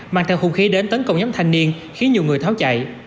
mang theo hung khí đến tấn công nhóm thanh niên khiến nhiều người tháo chạy